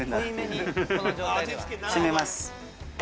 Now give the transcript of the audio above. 閉めます。